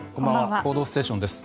「報道ステーション」です。